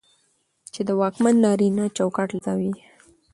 چې د واکمن نارينه چوکاټ له زاويې